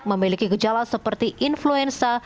memiliki gejala seperti influenza